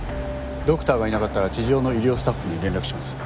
ドクターがいなかったら地上の医療スタッフに連絡します。